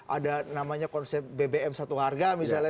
ada namanya konsep bbm satu harga misalnya